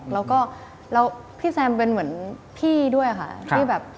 แล้วก็พี่แซมเป็นเหมือนพี่ด้วยค่ะ